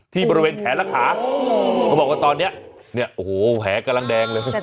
บริเวณแขนและขาเขาบอกว่าตอนนี้เนี่ยโอ้โหแผลกำลังแดงเลย